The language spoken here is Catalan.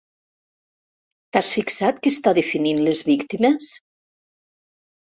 T'has fixat que està definint les víctimes?